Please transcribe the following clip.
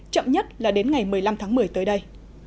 chậm nhất là đến ngày một mươi năm tháng một mươi tới đây